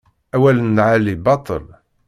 Awal n lɛali baṭel.